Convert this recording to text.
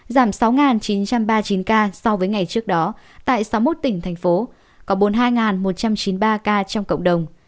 giảm sáu chín trăm ba mươi chín ca so với ngày trước đó tại sáu mươi một tỉnh thành phố có bốn mươi hai một trăm chín mươi ba ca trong cộng đồng